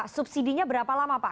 subsidi nya berapa lama pak